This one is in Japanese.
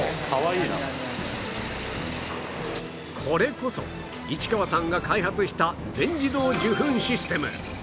これこそ市川さんが開発した全自動受粉システム